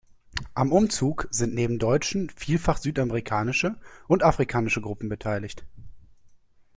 Am Umzug sind neben deutschen vielfach südamerikanische und afrikanische Gruppen beteiligt.